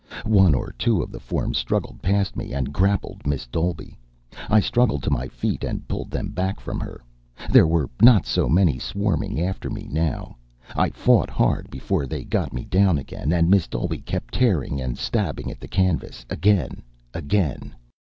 One or two of the forms struggled past me and grappled Miss Dolby. I struggled to my feet and pulled them back from her. There were not so many swarming after me now. I fought hard before they got me down again. And Miss Dolby kept tearing and stabbing at the canvas again, again.